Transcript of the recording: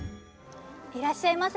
いらっしゃいませ。